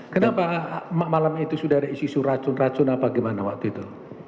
kenapa malam itu sudah ada isu isu racun racun apa gimana waktu itu